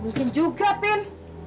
mungkin juga pin